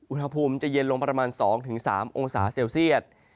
อุณหภูมิจะเย็นลงประมาณ๒๓องศาเซลเซียต